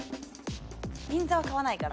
銀座は川ないから。